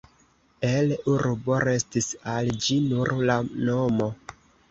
El urbo restis al ĝi nur la nomo.